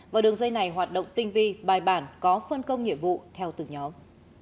và đường dây này hoạt động tinh vi bài bản có phân công nhiệm vụ theo từng nhóm